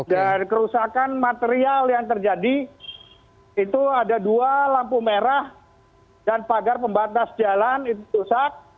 dan kerusakan material yang terjadi itu ada dua lampu merah dan pagar pembatas jalan itu rusak